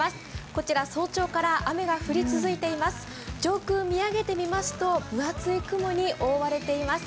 こちら早朝から雨が降り続いています。